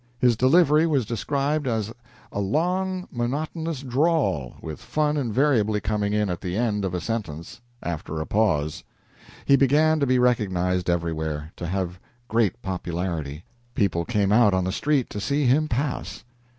His delivery was described as a "long, monotonous drawl, with fun invariably coming in at the end of a sentence after a pause." He began to be recognized everywhere to have great popularity. People came out on the street to see him pass.